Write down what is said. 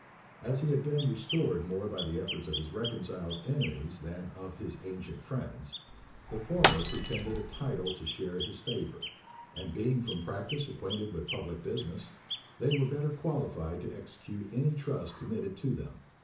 As he had been restored more by the efforts of his reconciled enemies than of his ancient friends, the former pretended a title to share his favor; and being from practice acquainted with public business, they were better qualified to execute any trust committed to them.